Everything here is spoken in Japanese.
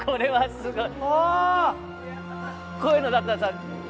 すごい。